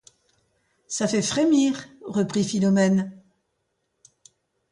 Ça fait frémir, reprit Philomène.